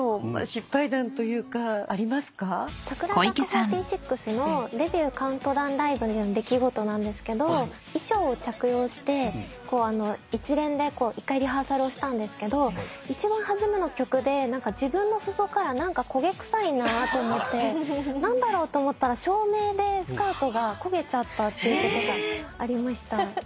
櫻坂４６のデビューカウントダウンライブでの出来事なんですけど衣装を着用して一連で１回リハーサルをしたんですけど一番初めの曲で自分の裾から何か焦げ臭いなと思って何だろうと思ったら照明でスカートが焦げちゃったってことがありました。